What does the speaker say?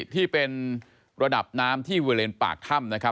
ที่เป็นระดับน้ำที่บริเวณปากถ้ำนะครับ